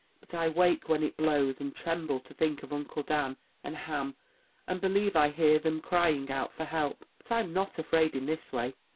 "But I wake when it blows, and tremble to think of uncle Dan and Ham, and believe I hear 'em crying out for help. But I'm not afraid in this way.